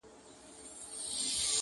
• زوی د پلار په دې خبره ډېر خفه سو..